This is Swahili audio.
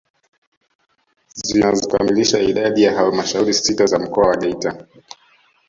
Zinazokamilisha idadi ya halmashauri sita za mkoa wa Geita